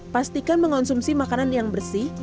pastikan mengonsumsi makanan yang bersih